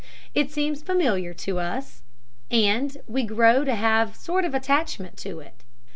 It seems familiar to us, and we grow to have a sort of attachment to it.